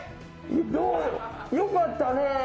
よかったね。